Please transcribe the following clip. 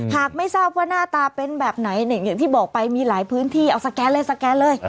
หากไม่ทราบว่าหน้าตาเป็นแบบไหนอย่างที่บอกไปมีหลายพื้นที่เอาสแกนเลยสแกนเลย